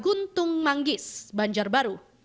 guntung manggis banjarbaru